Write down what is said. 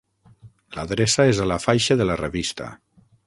L'adreça és a la faixa de la revista.